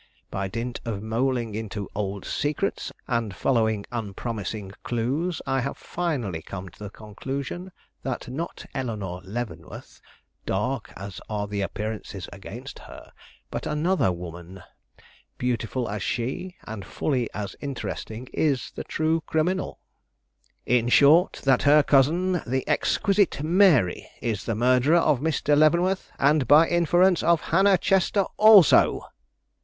By dint of moleing into old secrets, and following unpromising clues, I have finally come to the conclusion that not Eleanore Leavenworth, dark as are the appearances against her, but another woman, beautiful as she, and fully as interesting, is the true criminal. In short, that her cousin, the exquisite Mary, is the murderer of Mr. Leavenworth, and by inference of Hannah Chester also."